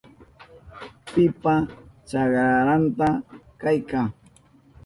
¿Pipa chakranta kayka?